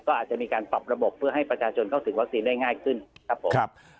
ก็อาจจะมีการปรับระบบเพื่อให้ประชาชนเข้าถึงวัคซีนได้ง่ายขึ้นครับผม